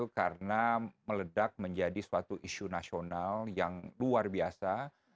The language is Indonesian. karena meledak menjadi suatu isu nasional yang luar biasa